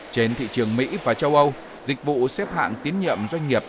trên thị trường mỹ và châu âu dịch vụ xếp hạng tiến nhiệm doanh nghiệp